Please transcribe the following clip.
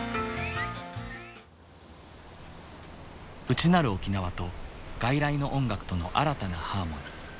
内なる沖縄と外来の音楽との新たなハーモニー。